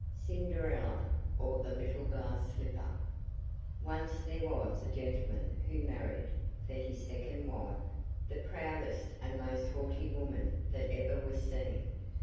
CINDERELLA, OR THE LITTLE GLASS SLIPPER Once there was a gentleman who married, for his second wife, the proudest and most haughty woman that was ever seen.